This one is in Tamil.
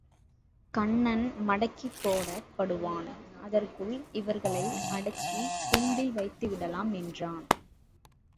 கண்ணன் மடக்கிப்போடப் படுவான் அதற்குள் இவர்களை அடக்கிக்கூண்டில் வைத்துவிடலாம் என்றான்.